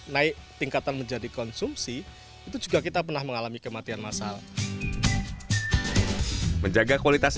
naik tingkatan menjadi konsumsi itu juga kita pernah mengalami kematian massal menjaga kualitas